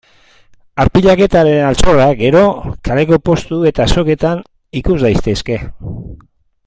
Arpilaketaren altxorrak, gero, kaleko postu eta azoketan ikus daitezke.